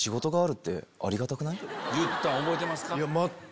言ったの覚えてますか？